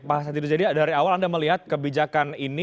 pak satidus jadi dari awal anda melihat kebijakan ini